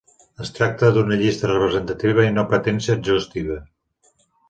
Es tracta d'una llista representativa i no pretén ser exhaustiva.